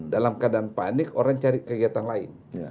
dalam keadaan panik orang cari kegiatan lain